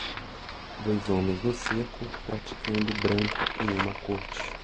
Dois homens no cerco praticando branco em uma corte.